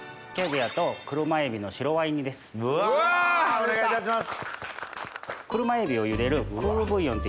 お願いいたします。